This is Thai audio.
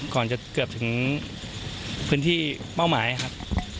ก่อนจะเกือบถึงพื้นที่เป้าหมายครับ